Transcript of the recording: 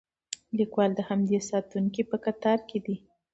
لیکوال د همدې ساتونکو په کتار کې دی.